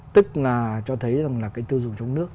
tức là cho thấy rằng là cái tiêu dùng trong nước